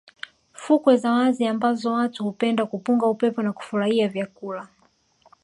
fukwe za wazi ambazo watu hupenda kupunga upepo na kufurahia vyakula